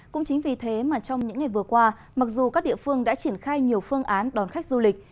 cũng chính vì thế mà trong những ngày vừa qua mặc dù các địa phương đã triển khai nhiều phương án đón khách du lịch